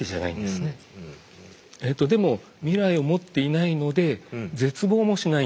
でも未来を持っていないので絶望もしないんだと。